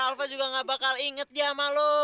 iya alva juga gak bakal inget dia sama lo